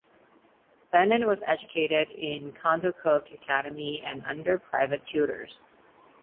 Bennett was educated in Contoocook Academy and under private tutors.